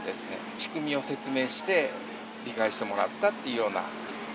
仕組みを説明して、理解してもらったっていうような。